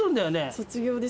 卒業です。